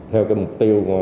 theo mục tiêu